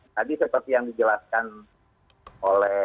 tadi seperti yang dijelaskan oleh